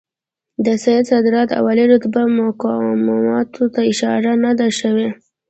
د سید صدارت او عالي رتبه مقاماتو ته اشاره نه ده شوې.